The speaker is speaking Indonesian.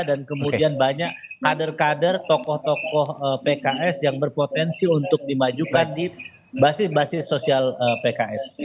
dan kemudian banyak kader kader tokoh tokoh pks yang berpotensi untuk dimajukan di basis basis sosial pks